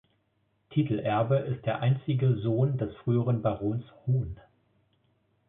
Titelerbe ist der einzige Sohn des früheren Barons, Hon.